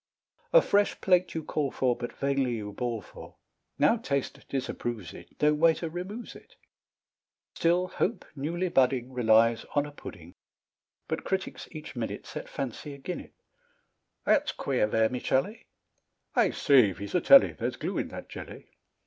A fresh plate you call for, But vainly you bawl for; Now taste disapproves it, No waiter removes it. Still hope, newly budding, Relies on a pudding; But critics each minute Set fancy agin it "That's queer Vermicelli." "I say, Vizetelly, There's glue in that jelly."